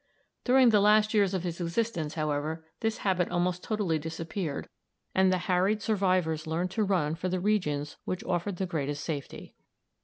During the last years of his existence, however, this habit almost totally disappeared, and the harried survivors learned to run for the regions which offered the greatest safety.